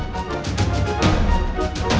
di video selanjutnya